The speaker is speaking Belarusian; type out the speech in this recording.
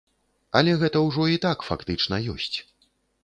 Але гэта ўжо і так фактычна ёсць.